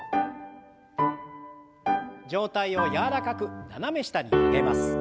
上体を柔らかく斜め下に曲げます。